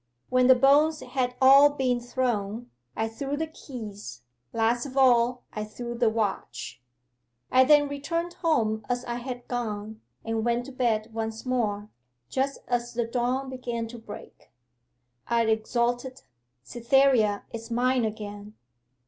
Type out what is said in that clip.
When the bones had all been thrown, I threw the keys; last of all I threw the watch. 'I then returned home as I had gone, and went to bed once more, just as the dawn began to break. I exulted "Cytherea is mine again!"